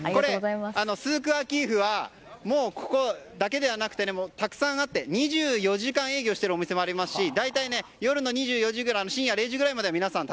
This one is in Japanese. スークワキーフはここだけではなくてたくさんあって２４時間営業をしているお店もありますし大体夜の２４時深夜０時ぐらいまで皆さん